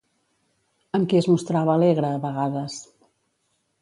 Amb qui es mostrava alegre, a vegades?